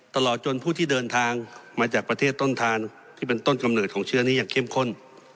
ตลอดจนผู้ที่เดินทางมาจากประเทศต้นทานที่เป็นต้นกำเนิดของเชื้อนี้อย่างเข้มข้น